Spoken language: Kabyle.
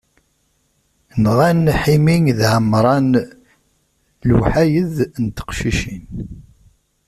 Nɣan Ḥimi d Ɛemran, lewḥayed n teqcicin.